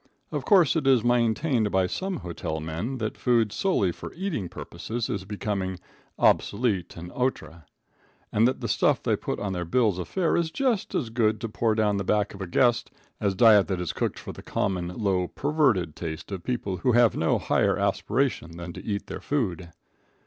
Of course it is maintained by some hotel men that food solely for eating purposes is becoming obsolete and outre, and that the stuff they put on their bills of fare is just as good to pour down the back of a guest as diet that is cooked for the common, low, perverted taste of people who have no higher aspiration than to eat their food.